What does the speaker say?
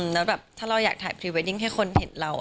แล้วแบบถ้าเราอยากถ่ายพรีเวดดิ้งให้คนเห็นเรา